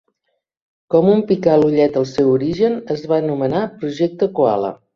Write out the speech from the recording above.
Com un picar l'ullet al seu origen, es va anomenar "Projecte Koala".